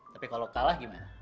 tapi kalau kalah gimana